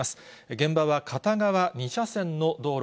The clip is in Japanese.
現場は片側２車線の道路。